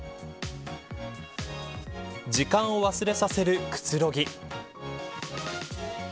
時間を忘れさせるくつろぎ。